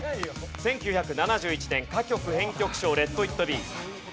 １９７１年歌曲・編曲賞『レット・イット・ビー』。